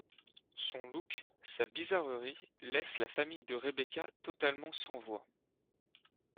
Son look, sa bizarrerie laissent la famille de Rebecca totalement sans voix.